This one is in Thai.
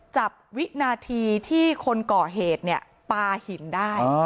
จับวิหนาทีที่คนก่อเหตุปลาหินได้